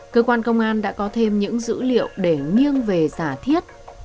cơ quan công an đã có thêm những dữ liệu để nghiêng về giả thiết